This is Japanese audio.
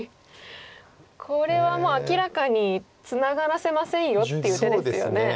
これはもう明らかに「ツナがらせませんよ」っていう手ですよね